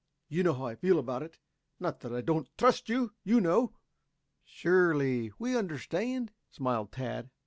You know how I feel about it not that I do not trust you. You know " "Surely we understand," smiled Tad.